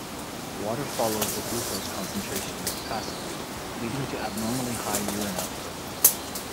Water follows the glucose concentration passively, leading to abnormally high urine output.